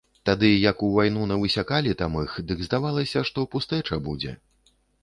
Тады, як у вайну навысякалі там іх, дык здавалася, што пустэча будзе.